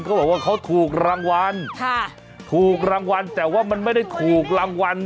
เขาบอกว่าเขาถูกรางวัลค่ะถูกรางวัลแต่ว่ามันไม่ได้ถูกรางวัล